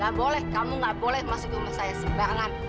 gak boleh kamu gak boleh masuk rumah saya sembarangan